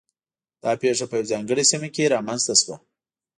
دا پېښه په یوه ځانګړې سیمه کې رامنځته شوه